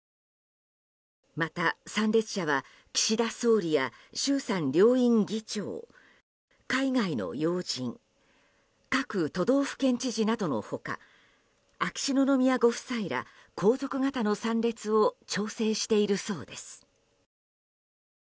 また、参列者は岸田総理や衆参両院議長海外の要人各都道府県知事などの他秋篠宮ご夫妻ら皇族方の参列を調整しているそうです。